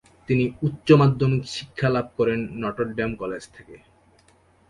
তিনি উচ্চ মাধ্যমিক শিক্ষা লাভ করেন নটর ডেম কলেজ থেকে।